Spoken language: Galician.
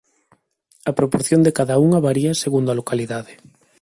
A proporción de cada unha varía segundo a localidade.